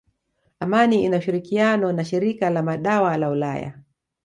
Amani ina ushirikiano na shirika la madawa la ulaya